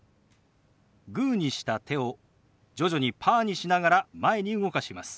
グーにした手を徐々にパーにしながら前に動かします。